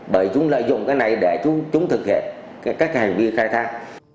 bởi chúng lợi dụng cái này để chúng thực hiện các hành vi khai thác